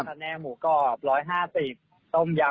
แน่หมูกรอบ๑๕๐ต้มยำ